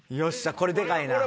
これでかいな。